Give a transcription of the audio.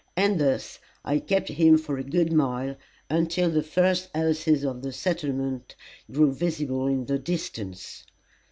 And thus I kept him for a good mile, until the first houses of the settlement grew visible in the distance.